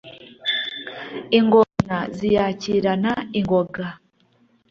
ingona ziyakirana ingoga